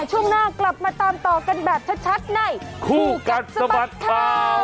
ช่วงหน้ากลับมาตามต่อกันแบบชัดในคู่กัดสะบัดข่าว